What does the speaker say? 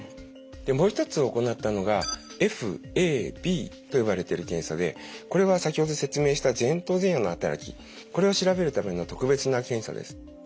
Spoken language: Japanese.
でもう一つ行ったのがＦＡＢと呼ばれている検査でこれは先ほど説明した前頭前野の働きこれを調べるための特別な検査です。